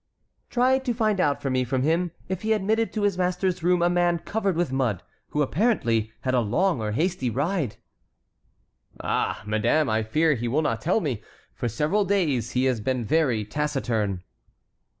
"Try to find out for me from him if he admitted to his master's room a man covered with mud, who apparently had a long or hasty ride." "Ah, madame, I fear he will not tell me; for several days he has been very taciturn."